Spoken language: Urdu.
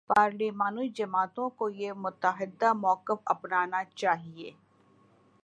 پارلیمانی جماعتوں کو یہ متحدہ موقف اپنانا چاہیے۔